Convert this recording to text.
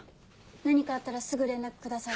何かあったらすぐ連絡ください。